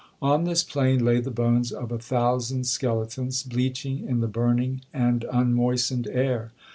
On this plain lay the bones of a thousand skeletons, bleaching in the burning and unmoistened air.